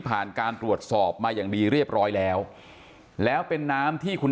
การตรวจสอบมาอย่างดีเรียบร้อยแล้วแล้วเป็นน้ำที่คุณ